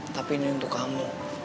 tapi ini untuk kamu